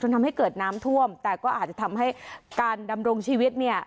ทำให้เกิดน้ำท่วมแต่ก็อาจจะทำให้การดำรงชีวิตเนี่ย